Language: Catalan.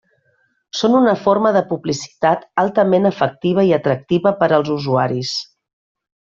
Són una forma de publicitat altament efectiva i atractiva per als usuaris.